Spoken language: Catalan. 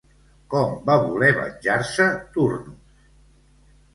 Com va voler venjar-se, Turnus?